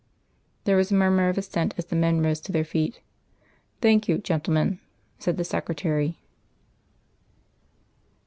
There was a murmur of assent as the men rose to their feet. "Thank you, gentlemen," said the secretary.